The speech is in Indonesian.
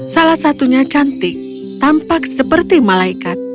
salah satunya cantik tampak seperti malaikat